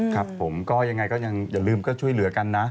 ครับผมก็ยังไงก็ยังอย่าลืมก็ช่วยเหลือกันนะ